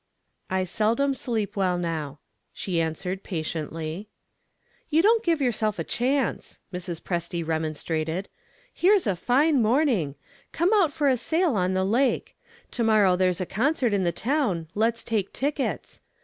"I seldom sleep well now," she answered, patiently. "You don't give yourself a chance," Mrs. Presty remonstrated. "Here's a fine morning come out for a sail on the lake. To morrow there's a concert in the town let's take tickets.